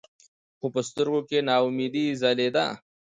خو پۀ سترګو کښې ناامېدې ځلېده ـ